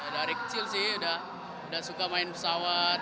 dari kecil sih udah suka main pesawat